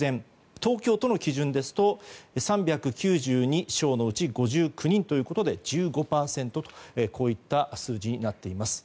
東京都の基準ですと３９２床のうち５９人ということで１５％といった数字になっています。